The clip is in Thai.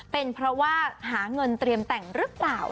เป็นเพราะว่าหาเงินเตรียมแต่งหรือเปล่า